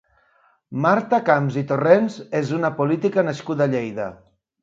Marta Camps i Torrens és una política nascuda a Lleida.